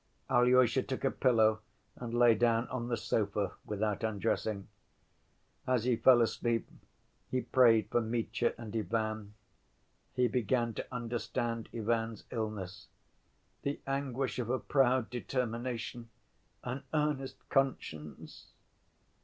Alyosha took a pillow and lay down on the sofa, without undressing. As he fell asleep he prayed for Mitya and Ivan. He began to understand Ivan's illness. "The anguish of a proud determination. An earnest conscience!"